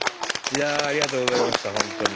いやあありがとうございました本当に。